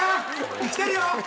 生きてるよ！